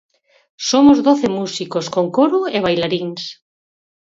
Somos doce músicos, con coro e bailaríns.